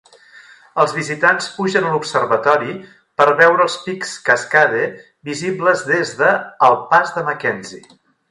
Els visitants pugen a l'observatori per veure els pics Cascade, visibles des de el Pas de McKenzie.